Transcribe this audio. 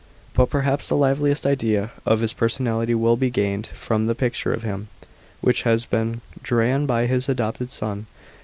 § 11. But perhaps the liveliest idea of his personality will be gained from the picture of him, which has been dra«n by his adopted son.